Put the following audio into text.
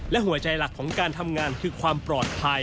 และหัวใจหลักของการทำงานคือความปลอดภัย